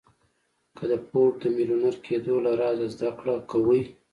که د فورډ د ميليونر کېدو له رازه زده کړه کوئ.